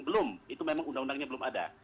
belum itu memang undang undangnya belum ada